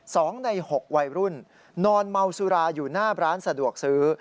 สองในหกวัยรุ่นนอนเมาสุราอยู่หน้าร้านสะดวกซื้อ